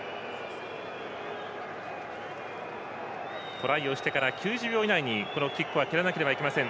トライをしてから９０秒以内にキックを蹴らなければいけません。